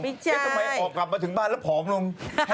แล้วทำไมออกกลับมาถึงบ้านแล้วผอมลง